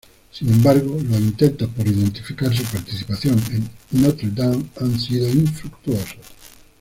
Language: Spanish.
Sin embargo, los intentos por identificar su participación en Notre Dame han sido infructuosos.